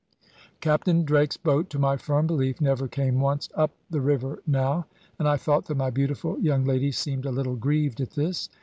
Captain Drake's boat, to my firm belief, never came once up the river now; and I thought that my beautiful young lady seemed a little grieved at this.